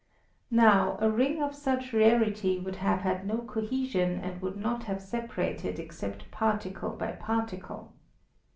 Now a ring of such rarity would have had no cohesion and would not have separated except particle by particle.